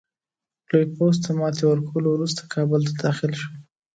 لوی پوځ ته ماتي ورکولو وروسته کابل ته داخل شو.